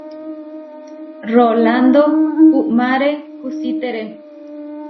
Rolando uʼmáre kusítere.